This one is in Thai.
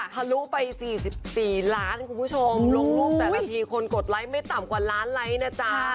ทะลุไป๔๔ล้านคุณผู้ชมลงรูปแต่ละทีคนกดไลค์ไม่ต่ำกว่าล้านไลค์นะจ๊ะ